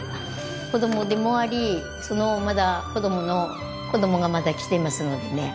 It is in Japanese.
子どもでもありそのまた子どもの子どもがまた来てますのでね